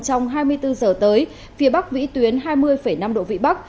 trong hai mươi bốn giờ tới phía bắc vĩ tuyến hai mươi năm độ vị bắc